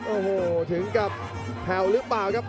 โอ้โหถึงกับแผ่วหรือเปล่าครับ